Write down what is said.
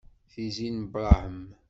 Tizi n Brahem.